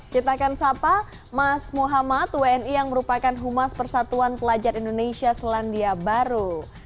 kita akan sapa mas muhammad wni yang merupakan humas persatuan pelajar indonesia selandia baru